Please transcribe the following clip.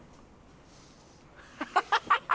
ハハハハッ！